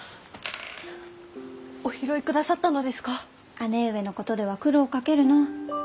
姉上のことでは苦労をかけるの。